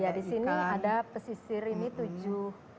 ya di sini ada pesisir ini tujuh